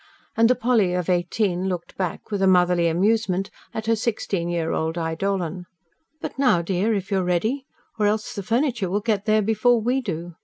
And the Polly of eighteen looked back, with a motherly amusement, at her sixteen year old eidolon. "But now, dear, if you're ready ... or else the furniture will get there before we do.